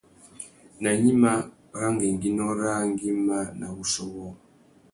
Nà gnima râ ngüéngüinô râā nguimá na wuchiô wôō ?